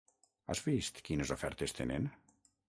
Has vist quines ofertes tenen?